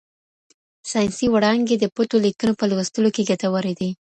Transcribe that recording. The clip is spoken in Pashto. ساینسي وړانګې د پټو لیکنو په لوستلو کې ګټورې دي.